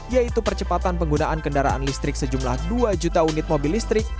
yaitu percepatan penggunaan kendaraan listrik sejumlah dua juta unit mobil listrik